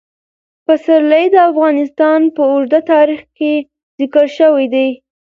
پسرلی د افغانستان په اوږده تاریخ کې ذکر شوی دی.